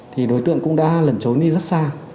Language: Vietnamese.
thì đối tượng cũng đã lẩn trốn đi rất xa